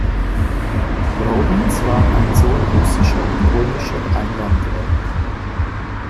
Robbins war ein Sohn russischer und polnischer Einwanderer.